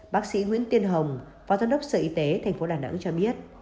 bác sĩ nguyễn tiên hồng phó giám đốc sở y tế tp đà nẵng cho biết